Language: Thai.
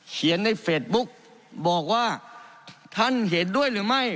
เขียนในเฟซบุ๊กบอกว่าท่านเห็นด้วยหรือไม่